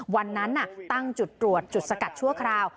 วันนั้นตั้งจุดตรวจจุดสกัดชั่วคราว